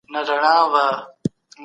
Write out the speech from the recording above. ملي شورا د چاپیریال ساتنې هوکړه نه ماتوي.